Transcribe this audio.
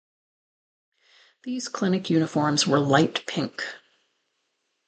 These clinic uniforms were light pink.